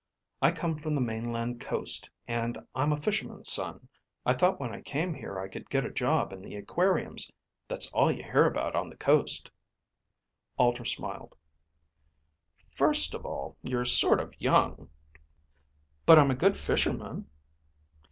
"I come from the mainland coast. And I'm a fisherman's son. I thought when I came here I could get a job in the aquariums. That's all you hear about on the coast." Alter smiled. "First of all you're sort of young ..." "But I'm a good fisherman."